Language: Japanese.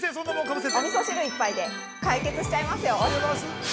おみそ汁１杯で解決しちゃいますよ。